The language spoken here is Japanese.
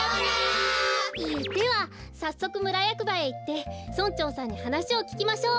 ではさっそくむらやくばへいって村長さんにはなしをききましょう。